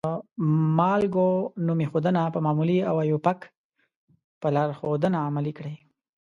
د مالګو نوم ایښودنه په معمولي او آیوپک په لارښودنه عملي کړئ.